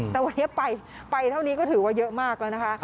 แต่วันนี้ไปเท่านี้ก็ถือว่าเยอะมากแล้วนะคะ